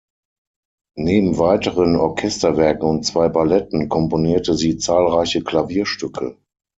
Neben weiteren Orchesterwerken und zwei Balletten komponierte sie zahlreiche Klavierstücke.